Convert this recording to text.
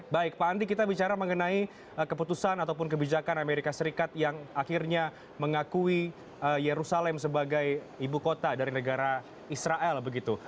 baik pak andi kita bicara mengenai keputusan ataupun kebijakan amerika serikat yang akhirnya mengakui yerusalem sebagai ibu kota dari negara israel begitu